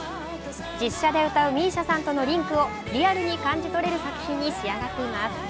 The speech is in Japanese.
実写で歌うＭＩＳＩＡさんとのリンクをリアルに感じ取れる作品に仕上がっています。